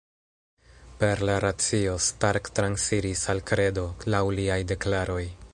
Per la racio Stark transiris al kredo, laŭ liaj deklaroj.